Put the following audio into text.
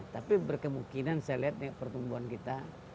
tapi berkemungkinan saya lihat pertumbuhan kita